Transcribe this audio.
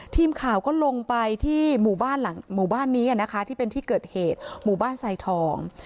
ทีมข่าวก็ลงไปที่หมู่บ้านหลังหมู่บ้านนี้นะคะที่เป็นที่เกิดเหตุหมู่บ้านไซทอง